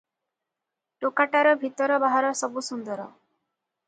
ଟୋକାଟାର ଭିତର ବାହାର ସବୁ ସୁନ୍ଦର ।